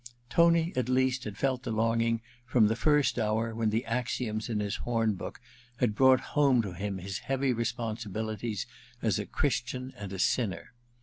Tony, at least, had felt the longing from the first hour when the axioms in his horn book had brought home to him his heavy responsibilities as a Christian and a sinner.